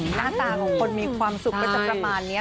หน้าตาของคนมีความสุขก็จะประมาณนี้